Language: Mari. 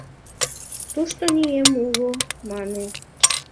Тушто нием уло, мане.